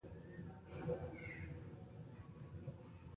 تور غول د وینې د موجودیت نښه ده.